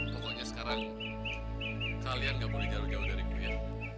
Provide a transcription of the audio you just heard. pokoknya sekarang kalian tidak boleh jauh jauh dari aku ya